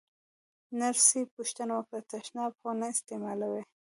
نرسې پوښتنه وکړه: تشناب خو نه استعمالوې؟